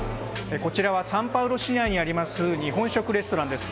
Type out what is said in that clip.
こちらはサンパウロ市内にあります、日本食レストランです。